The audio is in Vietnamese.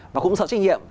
và cũng sợ trách nhiệm